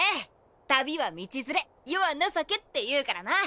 旅は道連れ世は情けっていうからな！